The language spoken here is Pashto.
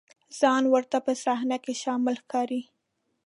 ځان ورته په صحنه کې شامل ښکاري.